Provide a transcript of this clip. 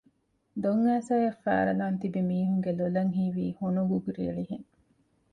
ދޮން އައިސަ އަށް ފާރަލާން ތިބި މީހުންގެ ލޮލަށް ހީވީ ހޮނުގުގުރި އެޅި ހެން